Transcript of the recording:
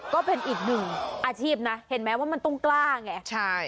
ก็เป็นอีกหนึ่งอาชีพนะเห็นไหมว่ามันต้องกล้าไง